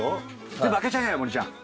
全部開けちゃえよ森ちゃん。